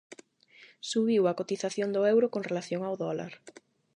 Subiu a cotización do euro con relación ao dólar.